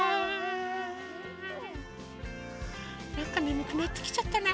なんかねむくなってきちゃったな。